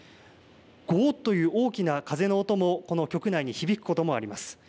ゴーっという大きな風の音もこの局内に響くこともあります。